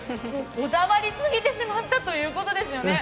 こだわりすぎてしまったということですよね。